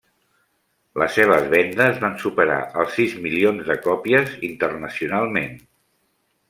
Les seves vendes van superar els sis milions de còpies internacionalment.